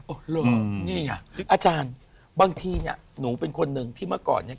โอ้โหนี่ไงถึงอาจารย์บางทีเนี่ยหนูเป็นคนหนึ่งที่เมื่อก่อนเนี่ย